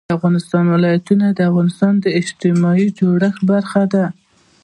د افغانستان ولايتونه د افغانستان د اجتماعي جوړښت برخه ده.